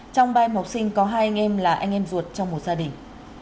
trong ba em học sinh có hai anh em là anh em ruột trong một gia đình